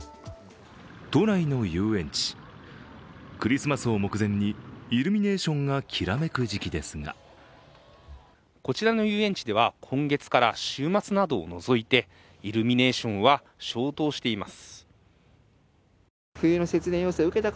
都内の遊園地、クリスマスを目前にイルミネーションがきらめく時期ですがこちらの遊園地では今月から、週末などを除いて、イルミネーションじゃ消灯しています。